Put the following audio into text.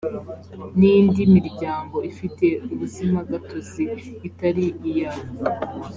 n indi miryango ifite ubuzimagatozi itari iya